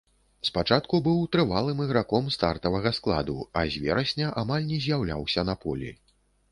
Спачатку быў трывалым іграком стартавага складу, а з верасня амаль не з'яўляўся на полі.